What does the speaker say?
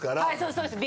そうです。